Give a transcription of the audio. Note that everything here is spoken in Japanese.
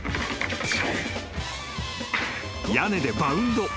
［屋根でバウンド。